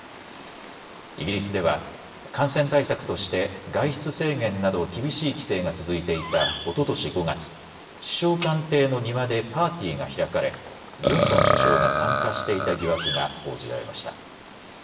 イギリスでは感染対策として外出制限など厳しい規制が続いていたおととし５月首相官邸の庭でパーティーが開かれジョンソン首相が参加していた疑惑が報じられました。